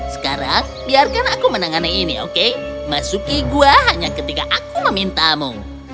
sekarang biarkan aku menangani ini oke masuki gua hanya ketika aku memintamu